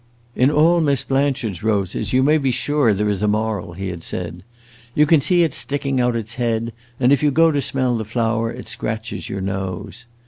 "In all Miss Blanchard's roses you may be sure there is a moral," he had said. "You can see it sticking out its head, and, if you go to smell the flower, it scratches your nose."